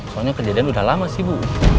soalnya kejadian udah lama sih bu